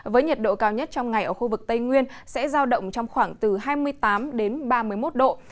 với nhiệt độ cao nhất trong ngày ở khu vực tây nguyên sẽ giao động trong khoảng từ hai mươi tám ba mươi một độ